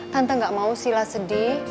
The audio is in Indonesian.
tante gak mau sila sedih